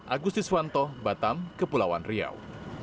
agusti swanto batam kepulauan riau